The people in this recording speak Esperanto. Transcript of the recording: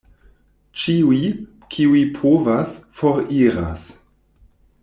Ĉiuj, kiuj povas, foriras.